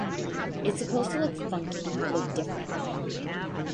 It's supposed to look funky, look different.